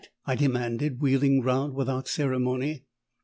I demanded, wheeling round without ceremony.